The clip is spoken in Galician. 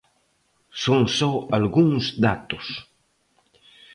Son só algúns datos.